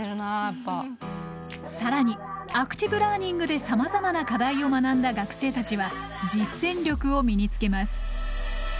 更にアクティブラーニングでさまざまな課題を学んだ学生たちは実践力を身につけます。